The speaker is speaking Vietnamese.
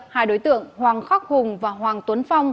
hai đối tượng hoàng khắc hùng và hoàng tuấn phong